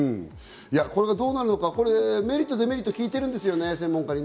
これがどうなるのか、メリット・デメリット、聞いてるんですよね、専門家に。